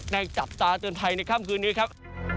จับตาเตือนภัยในค่ำคืนนี้ครับ